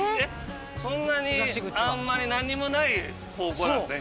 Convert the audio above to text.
そんなにあんまり何もない方向なんですね東。